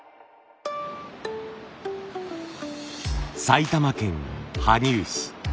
埼玉県羽生市。